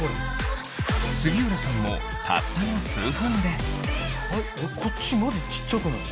杉浦さんもたったの数分でこっちマジ小っちゃくない？